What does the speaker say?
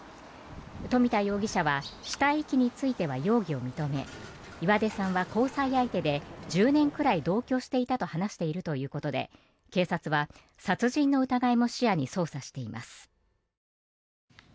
富田容疑者は死体遺棄については容疑を認め岩出さんは交際相手で１０年ぐらい同居していたと話しているということで警察は殺人の疑いも視野に捜査しています。